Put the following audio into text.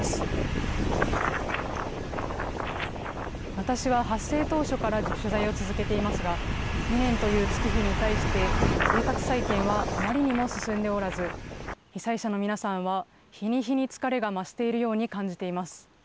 私は発生当初から取材を続けていますが、２年という月日に対して、生活再建はあまりにも進んでおらず、被災者の皆さんは日に日に疲れが増しているように感じています。